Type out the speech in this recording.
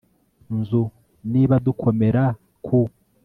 nzu niba dukomera ku